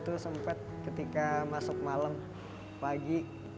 itu sempat ketika masuk malam pagi